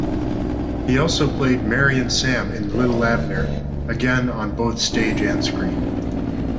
He also played Marryin' Sam in "Li'l Abner", again on both stage and screen.